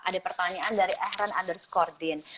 ada pertanyaan dari ehren underscore din